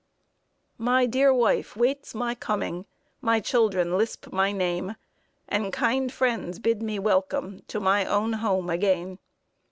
"My dear wife waits my coming, My children lisp my name, And kind friends bid me welcome To my own home again.